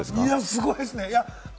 すごいです。